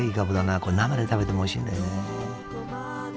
これ生で食べてもおいしいんだよね。